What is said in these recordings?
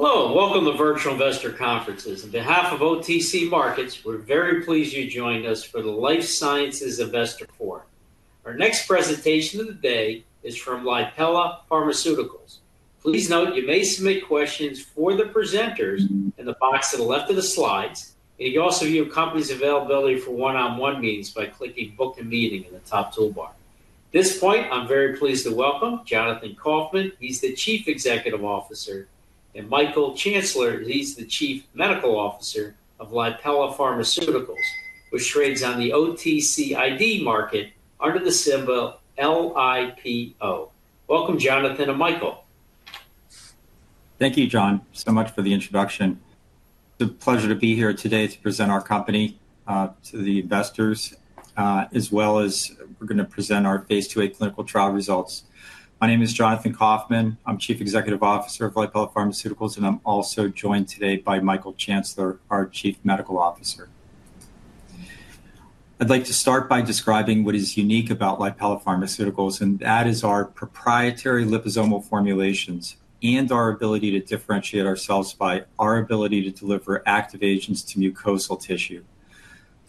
Hello, welcome to Virtual Investor Conferences. On behalf of OTC Markets, we're very pleased you're joining us for the Life Sciences Investor Forum. Our next presentation of the day is from Lipella Pharmaceuticals Inc. Please note, you may submit questions for the presenters in the box to the left of the slides, and you can also view a company's availability for one-on-one meetings by clicking "Book a Meeting" in the top toolbar. At this point, I'm very pleased to welcome Jonathan Kaufmann. He's the Chief Executive Officer, and Michael Chancellor is the Chief Medical Officer of Lipella Pharmaceuticals Inc., which trades on the OTC Markets under the symbol LIPO. Welcome, Jonathan and Michael. Thank you so much for the introduction. It's a pleasure to be here today to present our company to the investors, as well as we're going to present our phase two clinical trial results. My name is Jonathan Kaufmann. I'm Chief Executive Officer of Lipella Pharmaceuticals Inc., and I'm also joined today by Michael Chancellor, our Chief Medical Officer. I'd like to start by describing what is unique about Lipella Pharmaceuticals Inc., and that is our proprietary liposomal formulations and our ability to differentiate ourselves by our ability to deliver active agents to mucosal tissue.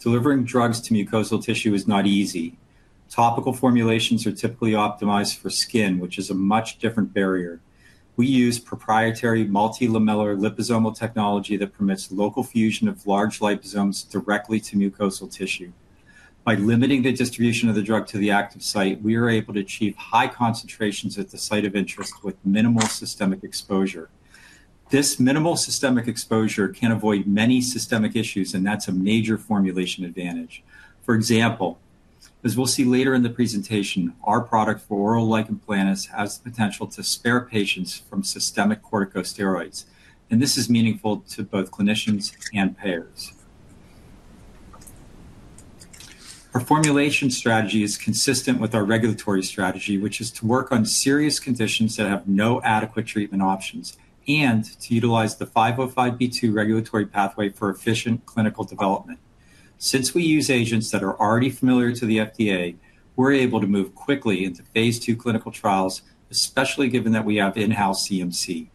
Delivering drugs to mucosal tissue is not easy. Topical formulations are typically optimized for skin, which is a much different barrier. We use proprietary multi-lamellar liposomal technology that permits local fusion of large liposomes directly to mucosal tissue. By limiting the distribution of the drug to the active site, we are able to achieve high concentrations at the site of interest with minimal systemic exposure. This minimal systemic exposure can avoid many systemic issues, and that's a major formulation advantage. For example, as we'll see later in the presentation, our product for oral lichen planus has the potential to spare patients from systemic corticosteroids, and this is meaningful to both clinicians and payers. Our formulation strategy is consistent with our regulatory strategy, which is to work on serious conditions that have no adequate treatment options and to utilize the 505(b)(2) regulatory pathway for efficient clinical development. Since we use agents that are already familiar to the FDA, we're able to move quickly into phase two clinical trials, especially given that we have in-house CMC.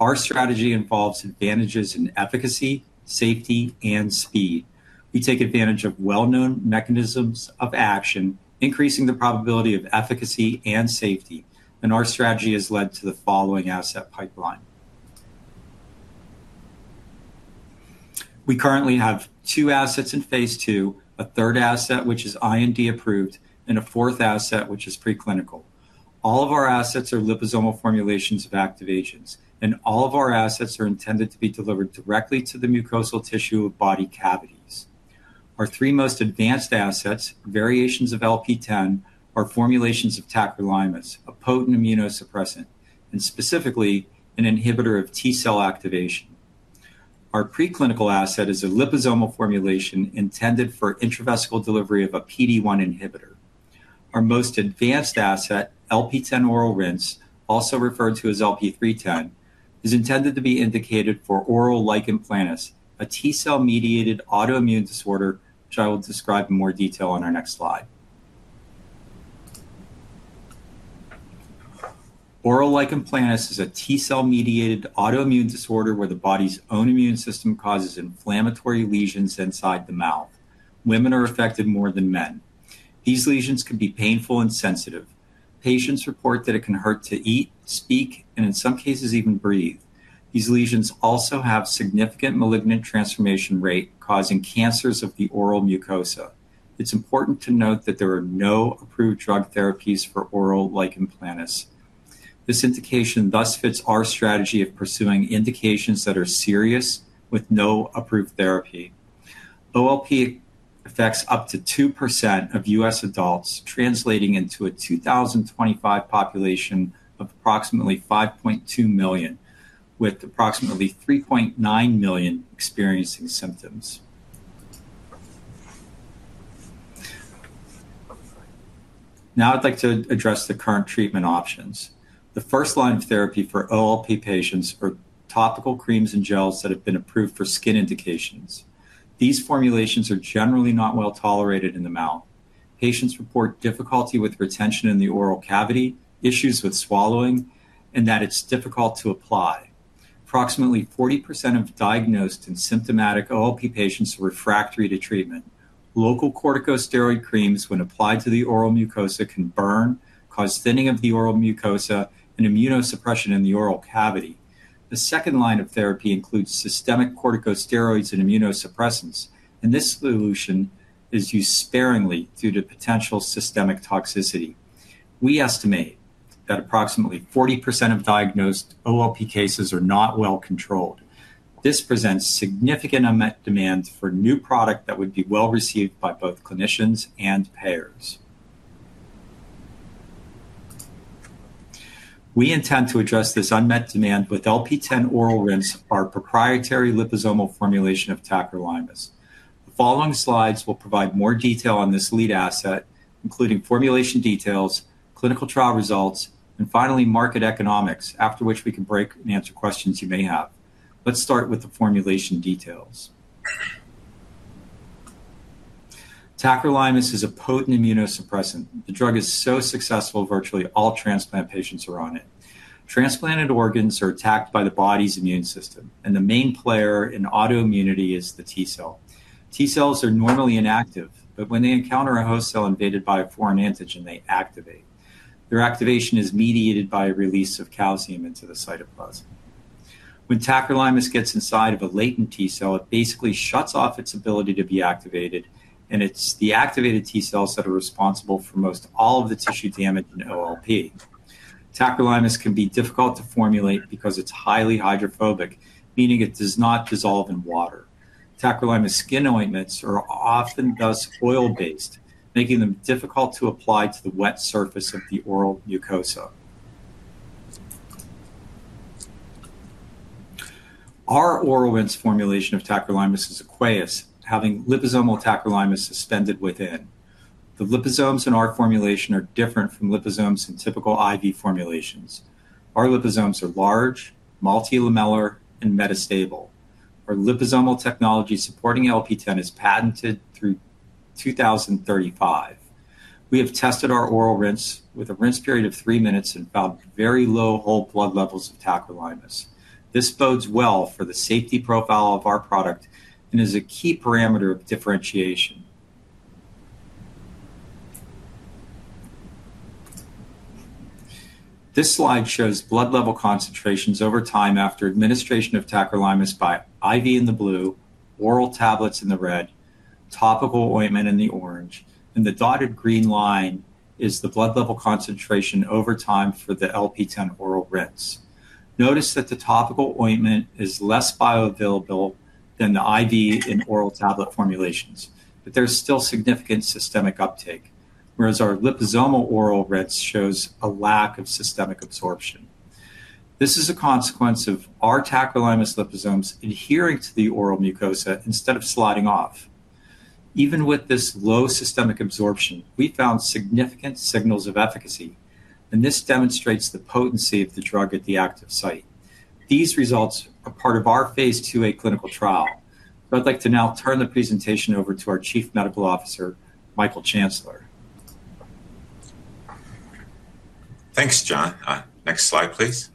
Our strategy involves advantages in efficacy, safety, and speed. We take advantage of well-known mechanisms of action, increasing the probability of efficacy and safety, and our strategy has led to the following asset pipeline. We currently have two assets in phase two, a third asset which is IND approved, and a fourth asset which is preclinical. All of our assets are liposomal formulations of active agents, and all of our assets are intended to be delivered directly to the mucosal tissue of body cavities. Our three most advanced assets, variations of LP-10, are formulations of tacrolimus, a potent immunosuppressant, and specifically an inhibitor of T-cell activation. Our preclinical asset is a liposomal formulation intended for intravesical delivery of a PD-1 inhibitor. Our most advanced asset, LP-10 oral rinse, also referred to as LP-310, is intended to be indicated for oral lichen planus, a T-cell-mediated autoimmune disorder which I will describe in more detail on our next slide. Oral lichen planus is a T-cell-mediated autoimmune disorder where the body's own immune system causes inflammatory lesions inside the mouth. Women are affected more than men. These lesions can be painful and sensitive. Patients report that it can hurt to eat, speak, and in some cases even breathe. These lesions also have a significant malignant transformation rate, causing cancers of the oral mucosa. It's important to note that there are no approved drug therapies for oral lichen planus. This indication thus fits our strategy of pursuing indications that are serious with no approved therapy. OLP affects up to 2% of U.S. adults, translating into a 2025 population of approximately 5.2 million, with approximately 3.9 million experiencing symptoms. Now I'd like to address the current treatment options. The first line of therapy for OLP patients are topical creams and gels that have been approved for skin indications. These formulations are generally not well tolerated in the mouth. Patients report difficulty with retention in the oral cavity, issues with swallowing, and that it's difficult to apply. Approximately 40% of diagnosed and symptomatic OLP patients are refractory to treatment. Local corticosteroid creams, when applied to the oral mucosa, can burn, cause thinning of the oral mucosa, and immunosuppression in the oral cavity. The second line of therapy includes systemic corticosteroids and immunosuppressants, and this solution is used sparingly due to potential systemic toxicity. We estimate that approximately 40% of diagnosed OLP cases are not well controlled. This presents significant unmet demand for a new product that would be well received by both clinicians and payers. We intend to address this unmet demand with LP-10 oral rinse, our proprietary liposomal formulation of tacrolimus. The following slides will provide more detail on this lead asset, including formulation details, clinical trial results, and finally market economics, after which we can break and answer questions you may have. Let's start with the formulation details. Tacrolimus is a potent immunosuppressant. The drug is so successful, virtually all transplant patients are on it. Transplanted organs are attacked by the body's immune system, and the main player in autoimmunity is the T cell. T cells are normally inactive, but when they encounter a host cell invaded by a foreign antigen, they activate. Their activation is mediated by the release of calcium into the cytoplasm. When tacrolimus gets inside of a latent T cell, it basically shuts off its ability to be activated, and it's the activated T cells that are responsible for most all of the tissue damage in OLP. Tacrolimus can be difficult to formulate because it's highly hydrophobic, meaning it does not dissolve in water. Tacrolimus skin ointments are often thus oil-based, making them difficult to apply to the wet surface of the oral mucosa. Our oral rinse formulation of tacrolimus is aqueous, having liposomal tacrolimus suspended within. The liposomes in our formulation are different from liposomes in typical IV formulations. Our liposomes are large, multi-lamellar, and metastable. Our liposomal technology supporting LP-10 is patented through 2035. We have tested our oral rinse with a rinse period of three minutes and found very low whole blood levels of tacrolimus. This bodes well for the safety profile of our product and is a key parameter of differentiation. This slide shows blood level concentrations over time after administration of tacrolimus by IV in the blue, oral tablets in the red, topical ointment in the orange, and the dotted green line is the blood level concentration over time for the LP-10 oral rinse. Notice that the topical ointment is less bioavailable than the IV in oral tablet formulations, but there's still significant systemic uptake, whereas our liposomal oral rinse shows a lack of systemic absorption. This is a consequence of our tacrolimus liposomes adhering to the oral mucosa instead of sliding off. Even with this low systemic absorption, we found significant signals of efficacy, and this demonstrates the potency of the drug at the active site. These results are part of our phase two clinical trial. I'd like to now turn the presentation over to our Chief Medical Officer, Michael Chancellor. Thanks, John. Next slide, please.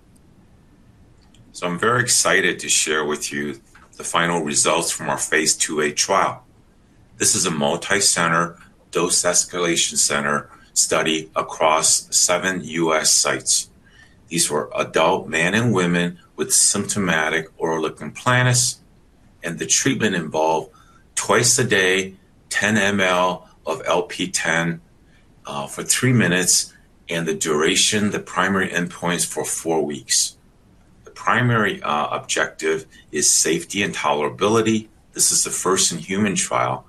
I'm very excited to share with you the final results from our phase two trial. This is a multi-center dose escalation study across seven U.S. sites. These were adult men and women with symptomatic oral lichen planus, and the treatment involved twice a day, 10 mL of LP-10 for three minutes, and the duration, the primary endpoints for four weeks. The primary objective is safety and tolerability. This is the first in human trial,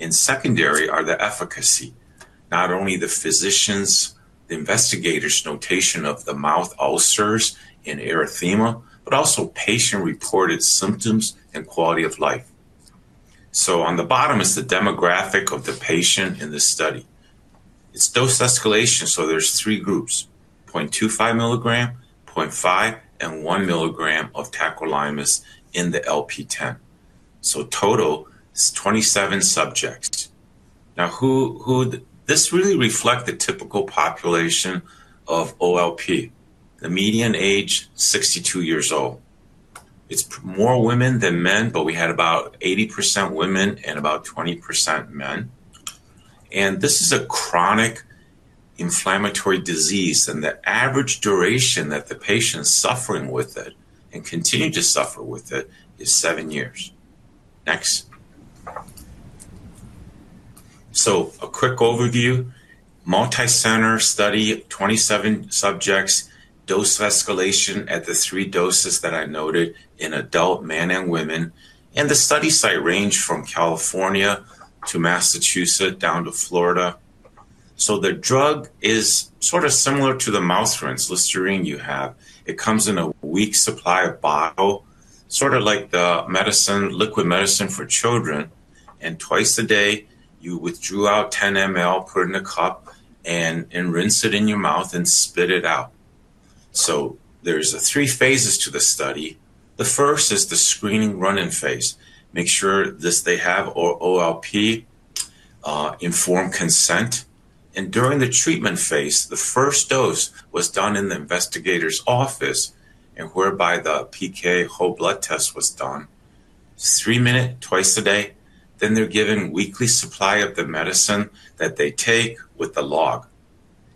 and secondary are the efficacy, not only the physicians, the investigator's notation of the mouth ulcers and erythema, but also patient-reported symptoms and quality of life. On the bottom is the demographic of the patient in the study. It's dose escalation, so there's three groups: 0.25 mg, 0.5 mg, and 1 mg of tacrolimus in the LP-10. Total is 27 subjects. Now, who would this really reflect the typical population of OLP? The median age is 62 years old. It's more women than men, about 80% women and about 20% men. This is a chronic inflammatory disease, and the average duration that the patient is suffering with it and continues to suffer with it is seven years. A quick overview: multi-center study, 27 subjects, dose escalation at the three doses that I noted in adult men and women, and the study site ranged from California to Massachusetts down to Florida. The drug is sort of similar to the mouth rinse, Listerine you have. It comes in a week's supply of bottle, sort of like the medicine, liquid medicine for children, and twice a day you withdraw out 10 mL, put in a cup, and rinse it in your mouth and spit it out. There's three phases to the study. The first is the screening run-in phase. Make sure that they have OLP informed consent, and during the treatment phase, the first dose was done in the investigator's office whereby the PK whole blood test was done. It's three minutes twice a day. They're given a weekly supply of the medicine that they take with the log,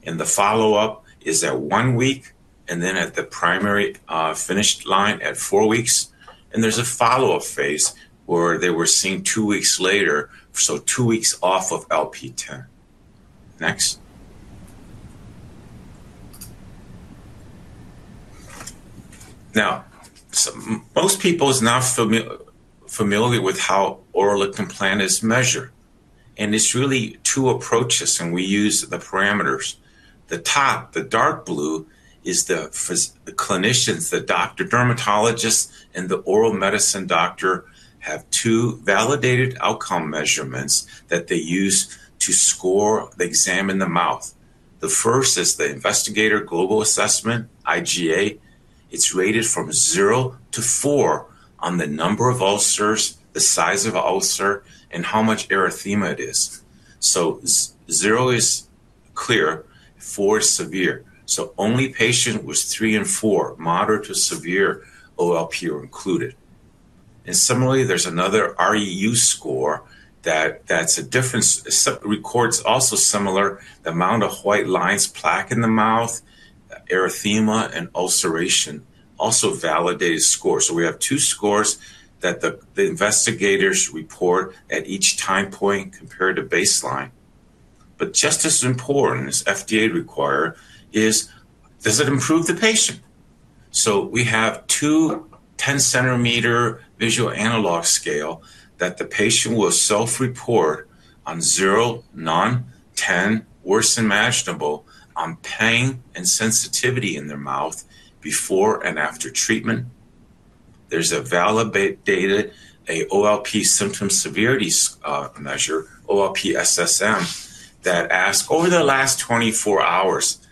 and the follow-up is at one week and then at the primary finish line at four weeks. There's a follow-up phase where they were seen two weeks later, two weeks off of LP-10. Most people are not familiar with how oral lichen planus is measured, and it's really two approaches, and we use the parameters. The top, the dark blue, is the clinicians, the doctor, dermatologist, and the oral medicine doctor have two validated outcome measurements that they use to score the exam in the mouth. The first is the investigator global assessment, IGA. It's rated from zero to four on the number of ulcers, the size of the ulcer, and how much erythema it is. Zero is clear, four is severe. Only patients with three and four, moderate to severe OLP, are included. Similarly, there's another REU score that's a difference. It records also similar the amount of white lines, plaque in the mouth, erythema, and ulceration, also validated scores. We have two scores that the investigators report at each time point compared to baseline. Just as important as FDA requires is, does it improve the patient? We have two 10-centimeter visual analog scales that the patient will self-report on zero, none, 10, worse than imaginable on pain and sensitivity in their mouth before and after treatment. There's a validated OLP symptom severity measure, OLP SSM, that asks over the last 24 hours,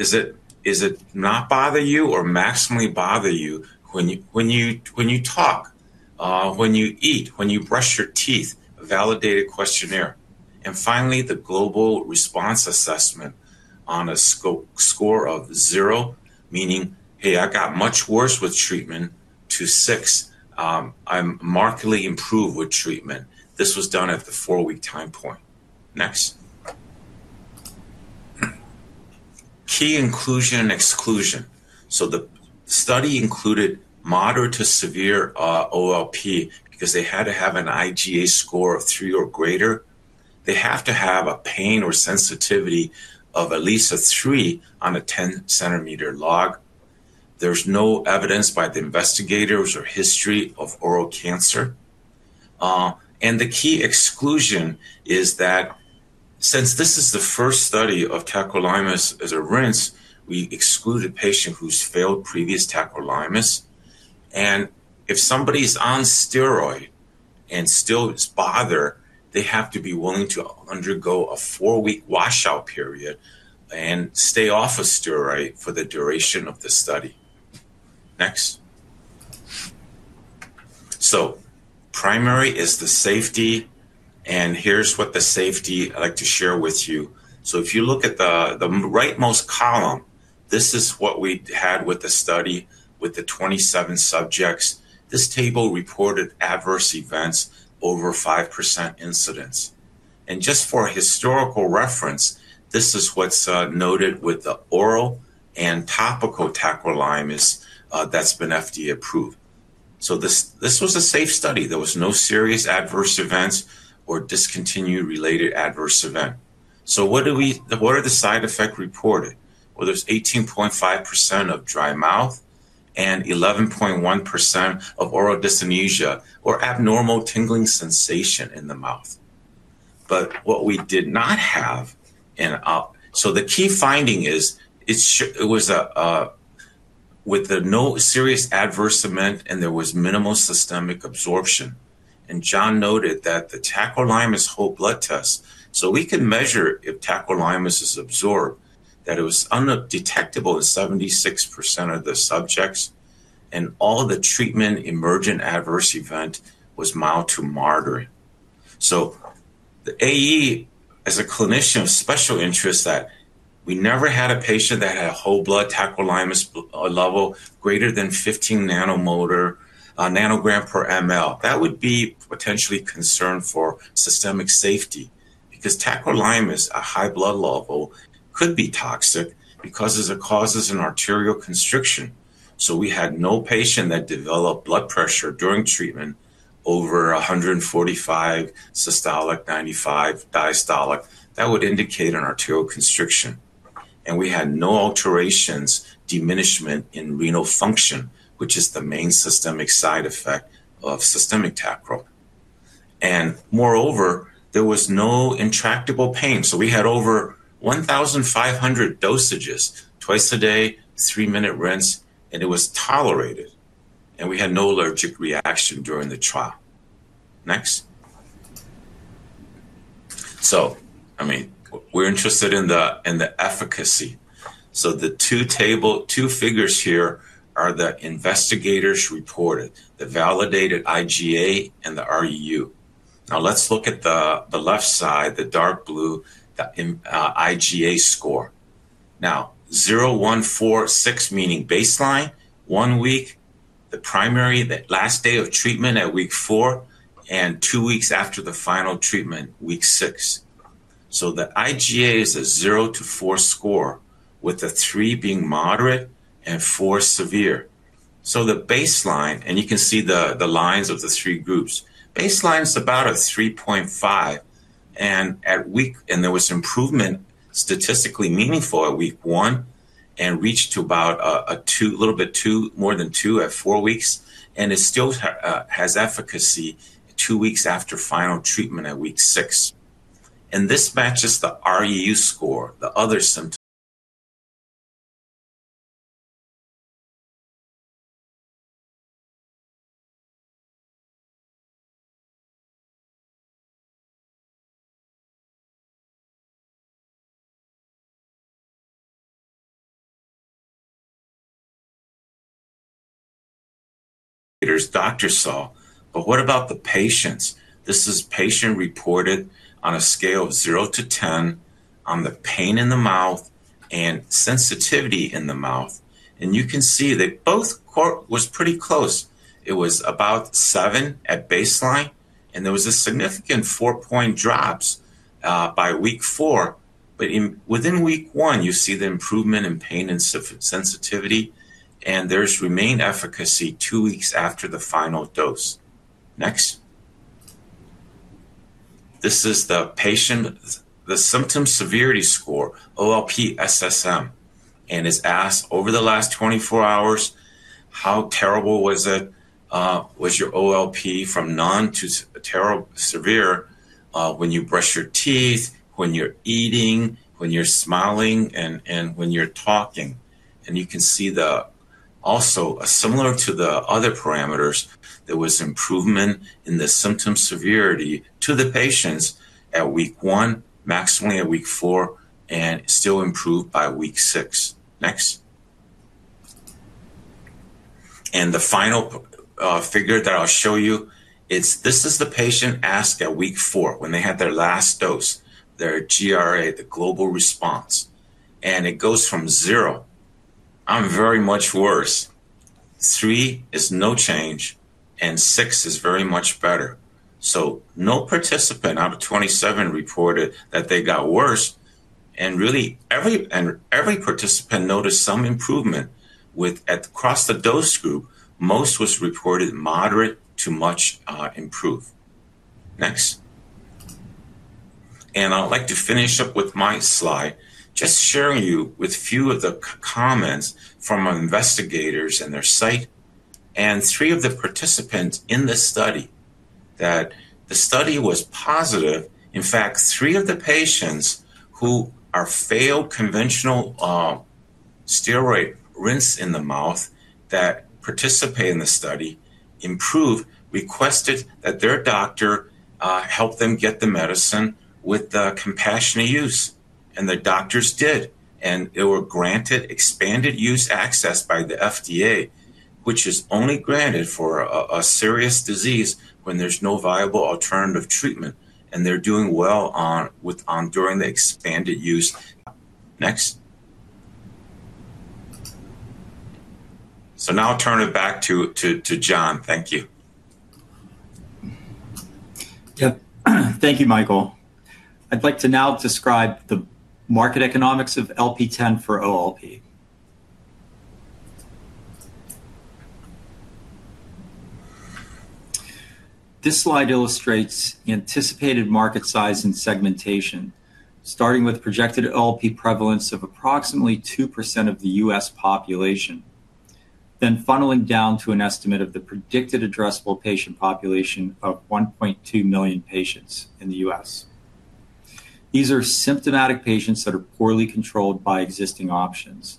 does it not bother you or maximally bother you when you talk, when you eat, when you brush your teeth, a validated questionnaire. Finally, the global response assessment on a score of zero, meaning, "Hey, I got much worse with treatment," to six, "I'm markedly improved with treatment." This was done at the four-week time point. Next. Key inclusion and exclusion. The study included moderate to severe OLP because they had to have an IGA score of three or greater. They have to have a pain or sensitivity of at least a three on a 10-centimeter log. There's no evidence by the investigators or history of oral cancer. The key exclusion is that since this is the first study of tacrolimus as a rinse, we exclude a patient who's failed previous tacrolimus. If somebody's on steroids and still is bothered, they have to be willing to undergo a four-week washout period and stay off of steroids for the duration of the study. Next. Primary is the safety, and here's what the safety I'd like to share with you. If you look at the rightmost column, this is what we had with the study with the 27 subjects. This table reported adverse events, over 5% incidents. Just for a historical reference, this is what's noted with the oral and topical tacrolimus that's been FDA approved. This was a safe study. There were no serious adverse events or discontinued related adverse events. What are the side effects reported? There's 18.5% of dry mouth and 11.1% of oral dysesthesia or abnormal tingling sensation in the mouth. The key finding is it was with no serious adverse event and there was minimal systemic absorption. John noted that the tacrolimus whole blood test, so we can measure if tacrolimus is absorbed, that it was undetectable in 76% of the subjects, and all the treatment emergent adverse events were mild to moderate. The AE, as a clinician of special interest, is that we never had a patient that had a whole blood tacrolimus level greater than 15 nanomolar, nanogram per mL. That would be potentially a concern for systemic safety because tacrolimus at high blood level could be toxic because it causes an arterial constriction. We had no patient that developed blood pressure during treatment over 145 systolic, 95 diastolic that would indicate an arterial constriction. We had no alterations, diminishment in renal function, which is the main systemic side effect of systemic tacrolimus. Moreover, there was no intractable pain. We had over 1,500 dosages twice a day, three-minute rinse, and it was tolerated. We had no allergic reaction during the trial. Next. We're interested in the efficacy. The two figures here are the investigators reported, the validated IGA and the REU. Now let's look at the left side, the dark blue, the IGA score. Now, 0.146, meaning baseline, one week, the primary, that last day of treatment at week four, and two weeks after the final treatment, week six. The IGA is a zero to four score with the three being moderate and four severe. The baseline, and you can see the lines of the three groups, baseline is about a 3.5, and there was improvement statistically meaningful at week one and reached to about a little bit more than two at four weeks, and it still has efficacy two weeks after final treatment at week six. This matches the REU score, the other symptoms. Doctors saw, but what about the patients? This is patient reported on a scale of zero to 10 on the pain in the mouth and sensitivity in the mouth. You can see that both were pretty close. It was about seven at baseline, and there was a significant four-point drop by week four. Within week one, you see the improvement in pain and sensitivity, and there's remained efficacy two weeks after the final dose. Next. This is the patient, the symptom severity score, OLP SSM, and it's asked over the last 24 hours, how terrible was it, was your OLP from none to terrible severe when you brush your teeth, when you're eating, when you're smiling, and when you're talking. You can see also similar to the other parameters, there was improvement in the symptom severity to the patients at week one, maximally at week four, and still improved by week six. Next. The final figure that I'll show you is this is the patient asked at week four when they had their last dose, their GRA, the global response. It goes from zero, "I'm very much worse," three is no change, and six is very much better. No participant out of 27 reported that they got worse, and really every participant noticed some improvement across the dose group. Most was reported moderate to much improved. Next. I'd like to finish up with my slide, just sharing you with a few of the comments from our investigators and their site and three of the participants in this study that the study was positive. In fact, three of the patients who failed conventional steroid rinse in the mouth that participated in the study improved, requested that their doctor help them get the medicine with the compassionate use, and the doctors did. They were granted expanded use access by the FDA, which is only granted for a serious disease when there's no viable alternative treatment, and they're doing well during the expanded use. Next. Now I'll turn it back to John. Thank you. Thank you, Michael. I'd like to now describe the market economics of LP-10 for OLP. This slide illustrates anticipated market size and segmentation, starting with projected OLP prevalence of approximately 2% of the U.S. population, then funneling down to an estimate of the predicted addressable patient population of $1.2 million patients in the U.S. These are symptomatic patients that are poorly controlled by existing options.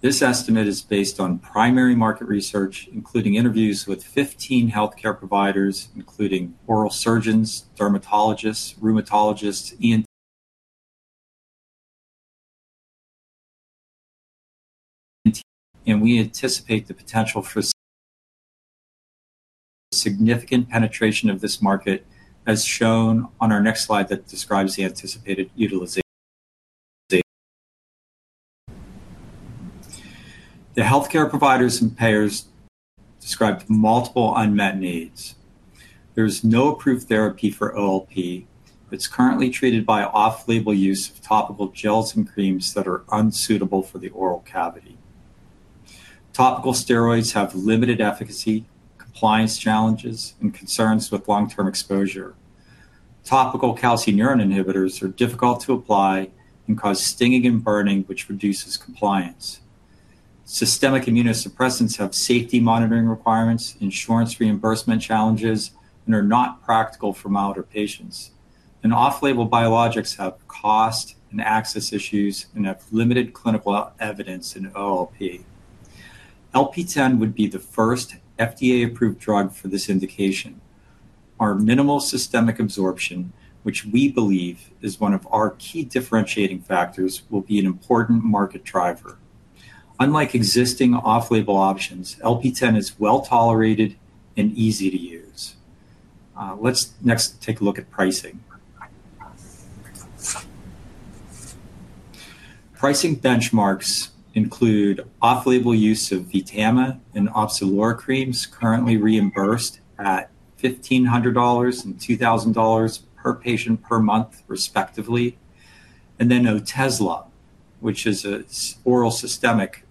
This estimate is based on primary market research, including interviews with 15 healthcare providers, including oral surgeons, dermatologists, rheumatologists. We anticipate the potential for significant penetration of this market as shown on our next slide that describes the anticipated utilization. The healthcare providers and payers described multiple unmet needs. There is no approved therapy for OLP. It's currently treated by off-label use of topical gels and creams that are unsuitable for the oral cavity. Topical steroids have limited efficacy, compliance challenges, and concerns with long-term exposure. Topical calcineurin inhibitors are difficult to apply and cause stinging and burning, which reduces compliance. Systemic immunosuppressants have safety monitoring requirements, insurance reimbursement challenges, and are not practical for milder patients. Off-label biologics have cost and access issues and have limited clinical evidence in OLP. LP-10 would be the first FDA-approved drug for this indication. Our minimal systemic absorption, which we believe is one of our key differentiating factors, will be an important market driver. Unlike existing off-label options, LP-10 is well tolerated and easy to use. Let's next take a look at pricing. Pricing benchmarks include off-label use of VitaMA and Ophthalor creams currently reimbursed at $1,500 and $2,000 per patient per month, respectively, and Otezla, which is an oral systemic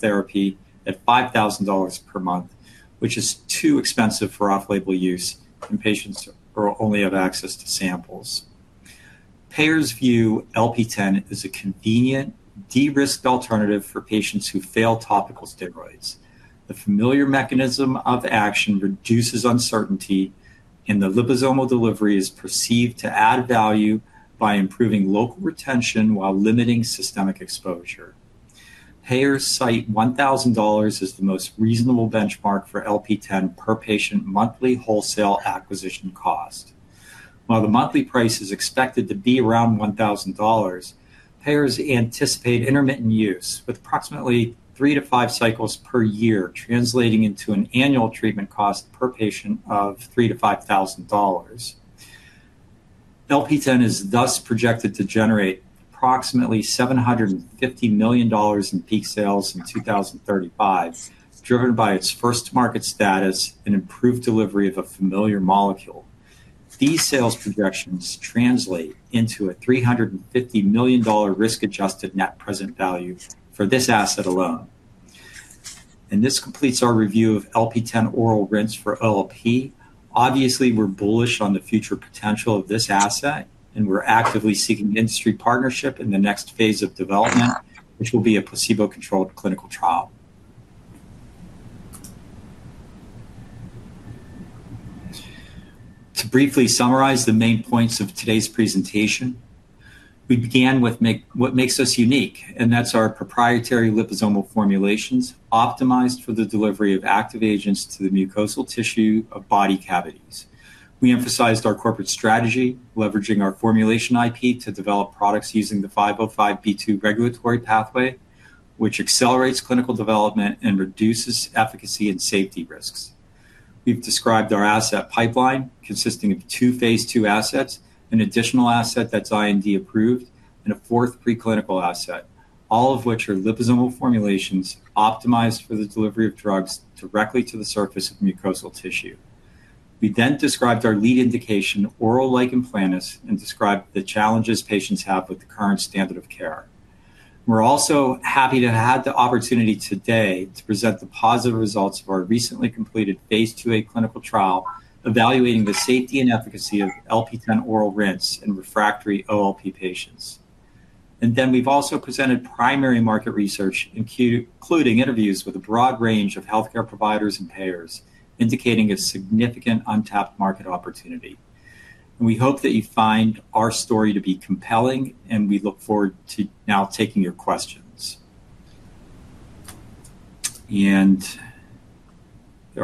therapy at $5,000 per month, which is too expensive for off-label use, and patients only have access to samples. Payers view LP-10 as a convenient de-risked alternative for patients who fail topical steroids. The familiar mechanism of action reduces uncertainty, and the liposomal delivery is perceived to add value by improving local retention while limiting systemic exposure. Payers cite $1,000 as the most reasonable benchmark for LP-10 per patient monthly wholesale acquisition cost. While the monthly price is expected to be around $1,000, payers anticipate intermittent use with approximately three to five cycles per year, translating into an annual treatment cost per patient of $3,000 to $5,000. LP-10 is thus projected to generate approximately $750 million in peak sales in 2035, driven by its first-to-market status and improved delivery of a familiar molecule. These sales projections translate into a $350 million risk-adjusted net present value for this asset alone. This completes our review of LP-10 oral rinse for OLP. Obviously, we're bullish on the future potential of this asset, and we're actively seeking an industry partnership in the next phase of development, which will be a placebo-controlled clinical trial. To briefly summarize the main points of today's presentation, we began with what makes us unique, and that's our proprietary liposomal formulations optimized for the delivery of active agents to the mucosal tissue of body cavities. We emphasized our corporate strategy, leveraging our formulation IP to develop products using the 505(b)(2) regulatory pathway, which accelerates clinical development and reduces efficacy and safety risks. We've described our asset pipeline consisting of two phase two assets, an additional asset that's IND approved, and a fourth preclinical asset, all of which are liposomal formulations optimized for the delivery of drugs directly to the surface of the mucosal tissue. We then described our lead indication, oral lichen planus, and described the challenges patients have with the current standard of care. We're also happy to have had the opportunity today to present the positive results of our recently completed phase two clinical trial, evaluating the safety and efficacy of LP-10 oral rinse in refractory OLP patients. We've also presented primary market research, including interviews with a broad range of healthcare providers and payers, indicating a significant untapped market opportunity. We hope that you find our story to be compelling, and we look forward to now taking your questions. There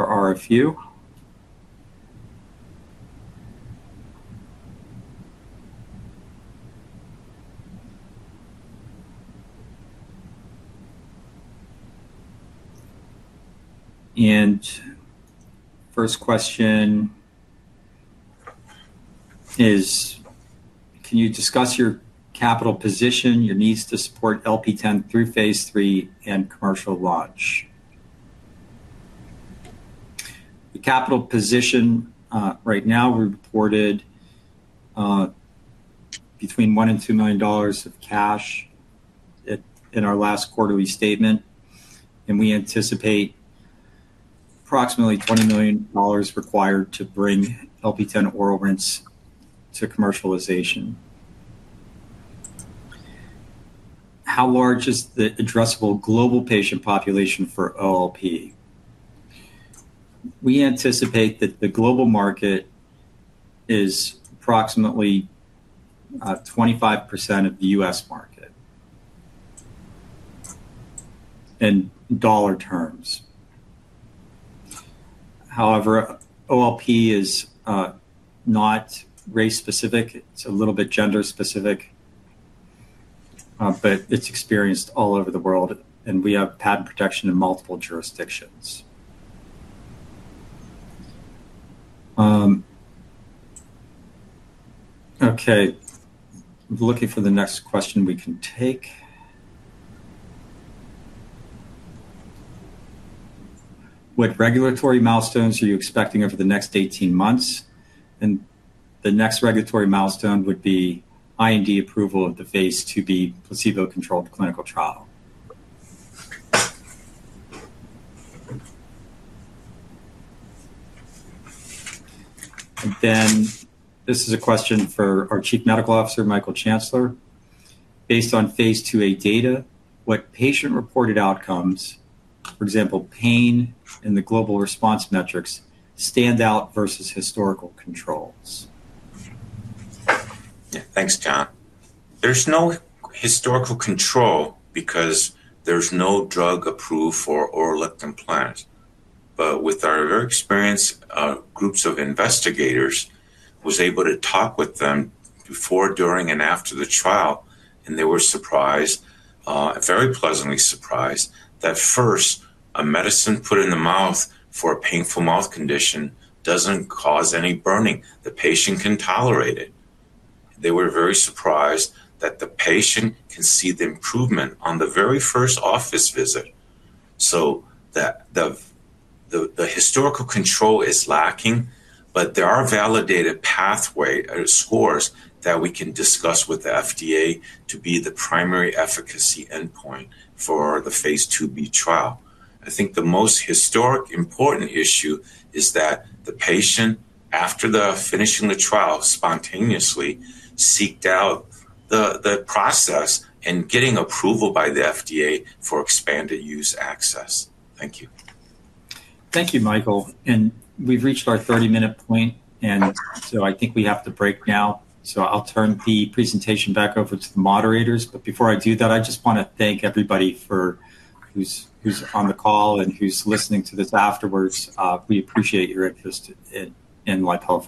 are a few. The first question is, can you discuss your capital position, your needs to support LP-10 through phase three and commercial launch? The capital position right now, we reported between $1 million and $2 million of cash in our last quarterly statement, and we anticipate approximately $20 million required to bring LP-10 oral rinse to commercialization. How large is the addressable global patient population for OLP? We anticipate that the global market is approximately 25% of the U.S. market in dollar terms. However, OLP is not race-specific. It's a little bit gender-specific, but it's experienced all over the world, and we have patent protection in multiple jurisdictions. I'm looking for the next question we can take. What regulatory milestones are you expecting over the next 18 months? The next regulatory milestone would be IND approval of the phase two placebo-controlled clinical trial. This is a question for our Chief Medical Officer, Michael Chancellor. Based on phase two data, what patient-reported outcomes, for example, pain and the global response metrics, stand out versus historical controls? Yeah. Thanks, John. There's no historical control because there's no drug approved for oral lichen planus. With our experience, groups of investigators were able to talk with them before, during, and after the trial, and they were surprised, very pleasantly surprised, that first, a medicine put in the mouth for a painful mouth condition doesn't cause any burning. The patient can tolerate it. They were very surprised that the patient can see the improvement on the very first office visit. The historical control is lacking, but there are validated pathway scores that we can discuss with the FDA to be the primary efficacy endpoint for the phase two trial. I think the most historic important issue is that the patient, after finishing the trial, spontaneously seeked out the process and getting approval by the FDA for expanded use access. Thank you. Thank you, Michael. We've reached our 30-minute point, and I think we have to break now. I'll turn the presentation back over to the moderators. Before I do that, I just want to thank everybody who's on the call and who's listening to this afterwards. We appreciate your interest in Lipella Pharmaceuticals Inc.